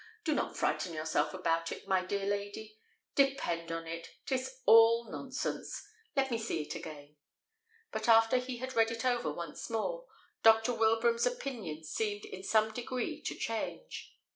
Do not frighten yourself about it, my dear lady; depend on it, 'tis all nonsense. Let me see it again." But after he had read it over once more, Dr. Wilbraham's opinion seemed in some degree to change.